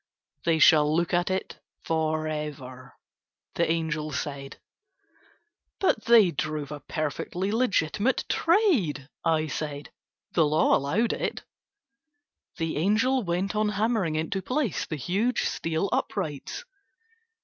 "They shall look at it for ever," the angel said. "But they drove a perfectly legitimate trade," I said, "the law allowed it." The angel went on hammering into place the huge steel uprights.